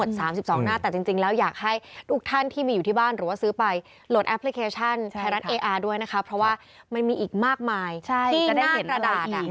ที่หน้ากระดาษมันถือไว้ไม่หมด